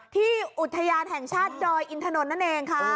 อุทยานแห่งชาติดอยอินทนนท์นั่นเองค่ะ